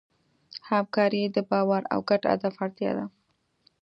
همکاري د باور او ګډ هدف اړتیا ده.